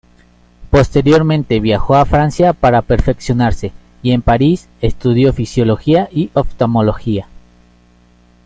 Posteriormente viajó a Francia para perfeccionarse, y en París estudió fisiología y oftalmología.